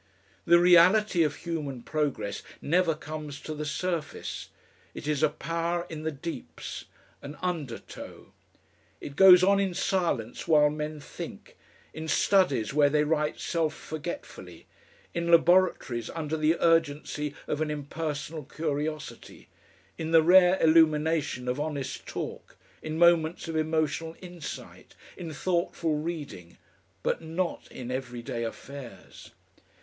The reality of human progress never comes to the surface, it is a power in the deeps, an undertow. It goes on in silence while men think, in studies where they write self forgetfully, in laboratories under the urgency of an impersonal curiosity, in the rare illumination of honest talk, in moments of emotional insight, in thoughtful reading, but not in everyday affairs.